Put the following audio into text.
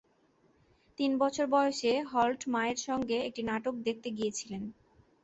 তিন বছর বয়সে হল্ট মায়ের সঙ্গে একটি নাটক দেখতে গিয়েছিলেন।